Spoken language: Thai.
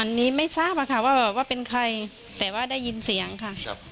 อันนี้ไม่ทราบว่าเป็นใครแต่ว่าได้ยินเสียงค่ะ